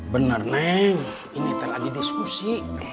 benar neng ini teh lagi diskusi